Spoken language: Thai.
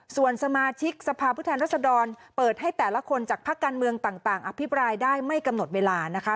ส่วนสมาชิกสภาพผู้แทนรัศดรเปิดให้แต่ละคนจากภาคการเมืองต่างอภิปรายได้ไม่กำหนดเวลานะคะ